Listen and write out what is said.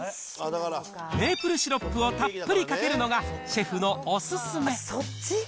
メープルシロップをたっぷりかけるのがシェフのお勧め。